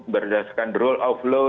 berdasarkan rule of law